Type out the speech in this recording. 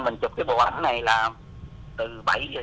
mình chụp cái bộ ảnh này là